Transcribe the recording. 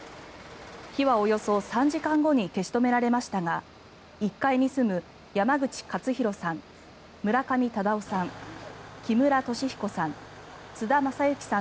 火はおよそ３時間後に消し止められましたが１階に住む山口勝弘さん、村上忠雄さん木村敏彦さん